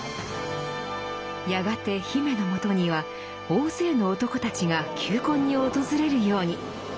やがて姫のもとには大勢の男たちが求婚に訪れるように。